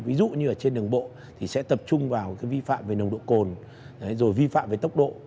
ví dụ như trên đường bộ sẽ tập trung vào vi phạm về nồng độ cồn vi phạm về tốc độ